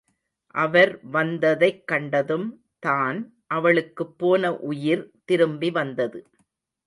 அவர் வந்ததைக் கண்டதும் தான் அவளுக்குப் போன உயிர் திரும்பி வந்தது.